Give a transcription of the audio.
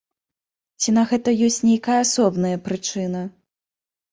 Ці на гэта ёсць нейкая асобная прычына?